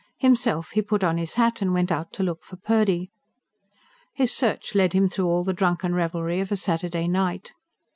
Himself, he put on his hat and went out to look for Purdy. His search led him through all the drunken revelry of a Saturday night.